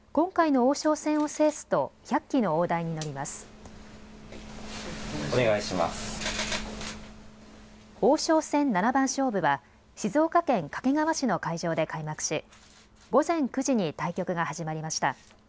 王将戦七番勝負は静岡県掛川市の会場で開幕し、午前９時に対局が始まりました。